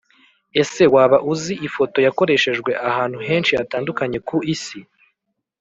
ese waba uzi ifoto yakoreshejwe ahantu henshi hatandukanye ku isi?